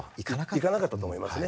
いかなかったと思いますね。